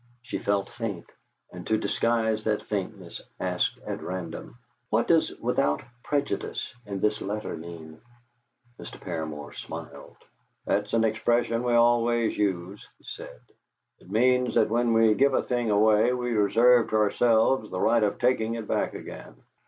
She felt faint, and to disguise that faintness asked at random, "What does 'without prejudice' in this letter mean?" Mr. Paramor smiled. "That's an expression we always use," he said. "It means that when we give a thing away, we reserve to ourselves the right of taking it back again."